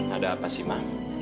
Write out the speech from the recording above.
ada apa sih ma